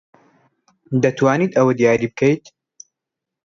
دەتوانیت ئەوە دیاری بکەیت؟